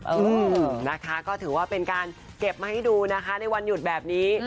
เออนะคะก็ถือว่าเป็นการเก็บมาให้ดูนะคะในวันหยุดแบบนี้